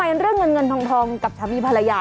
เป็นเรื่องเงินเงินทองกับสามีภรรยา